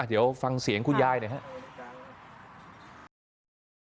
เดี๋ยวฟังเสียงคุณยายหน่อยครับ